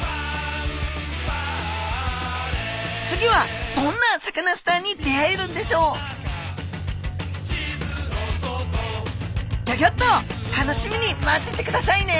次はどんなサカナスターに出会えるんでしょうギョギョッと楽しみに待っててくださいね！